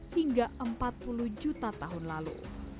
tiga puluh hingga empat puluh juta tahun lalu